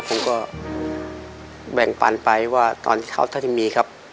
ผมก็แบ่งปันไปว่าตอนเท้าที่มีครับ